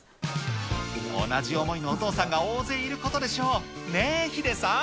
同じ思いのお父さんが大勢いることでしょう、ねえ、ヒデさん。